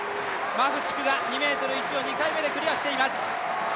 マフチクが２ｍ１を２回目でクリアしています。